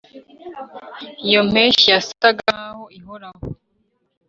iyo mpeshyi yasaga nkaho ihoraho